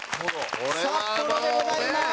札幌でございます！